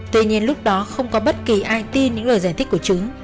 tuy nhiên lúc đó không có bất kỳ ai tin những lời giải thích của chúng